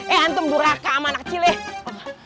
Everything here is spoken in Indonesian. eh antum buraka sama anak kecil ya